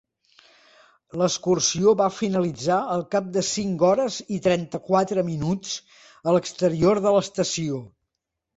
L'excursió va finalitzar al cap de cinc hores i trenta-quatre minuts a l'exterior de l'estació.